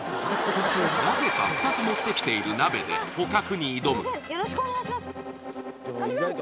なぜか２つ持ってきている鍋で捕獲に挑むすいません